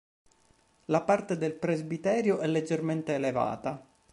La parte del presbiterio è leggermente elevata.